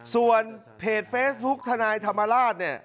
ส่วนเพจเฟสบุ๊คธนายธรรมราช